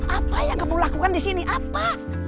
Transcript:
apa yang kamu lakukan disini apa